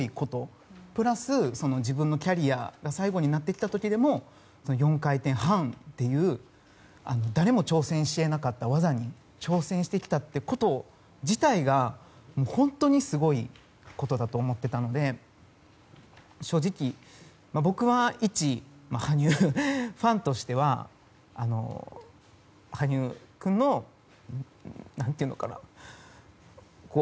それプラス、自分のキャリアが最後になってきた時でも４回転半という誰も挑戦していなかった技に挑戦してきたっていうこと自体が本当にすごいことだと思っていたので正直僕は、一羽生ファンとしては羽生君の何ていうのかな。